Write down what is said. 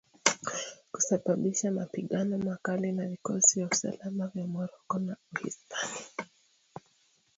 kusababisha mapigano makali na vikosi vya usalama vya Morocco na Uhispania